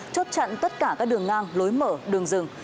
chốt chặn tất cả các đường ngang lối mở đường rừng